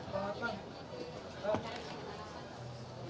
pak pak pak pak